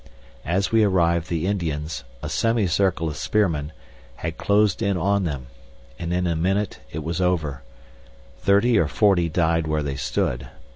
As we arrived the Indians, a semicircle of spearmen, had closed in on them, and in a minute it was over, Thirty or forty died where they stood.